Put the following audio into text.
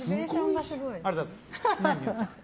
ありがとうございます。